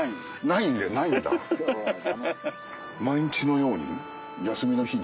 毎日のように休みの日に？